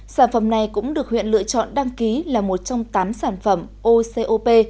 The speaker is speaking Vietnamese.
sản phẩm này cũng được huyện lựa chọn đăng ký là một trong tám sản phẩm ocop